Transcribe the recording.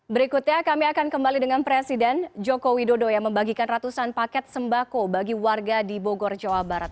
berikutnya kami akan kembali dengan presiden joko widodo yang membagikan ratusan paket sembako bagi warga di bogor jawa barat